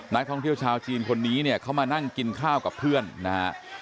นักท่องเที่ยวชาวจีนคนนี้เนี่ยเขามานั่งกินข้าวกับเพื่อนนะฮะ